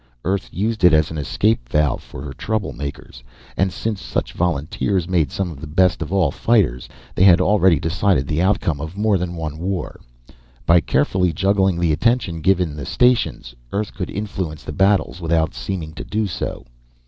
Earth used it as an escape valve for her troublemakers. And since such volunteers made some of the best of all fighters, they had already decided the outcome of more than one war. By carefully juggling the attention given the stations, Earth could influence the battles without seeming to do so.